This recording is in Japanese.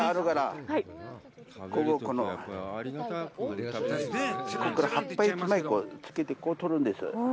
ここ、葉っぱ１枚つけて、こうとるんです。